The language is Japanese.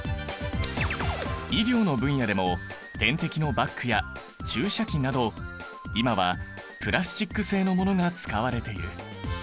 医療の分野でも点滴のバッグや注射器など今はプラスチック製のものが使われている。